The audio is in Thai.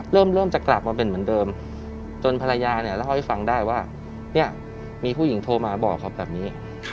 เริ่มจะกลับมาเป็นเหมือนเดิมจนภรรยาเนี่ยเล่าให้ฟังได้ว่าเนี่ยมีผู้หญิงโทรมาบอกเขาแบบนี้